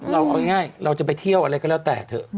เราเอาง่ายเราจะไปเที่ยวอะไรก็แล้วแต่เถอะ